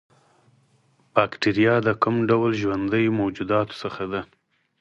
باکتریا د کوم ډول ژوندیو موجوداتو څخه ده